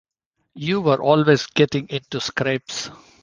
You were always getting into scrapes.